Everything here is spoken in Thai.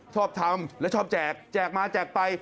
ชอบทำแล้วชอบแจกแจกมาแจกไป